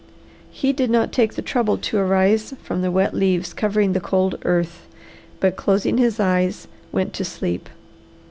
He did not take the trouble to arise from the wet leaves covering the cold earth, but closing his eyes went to sleep.